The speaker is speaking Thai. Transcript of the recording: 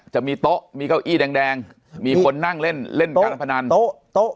จะมีโต๊ะมีเก้าอี้แดงมีคนนั่งเล่นเล่นการพนันโต๊ะ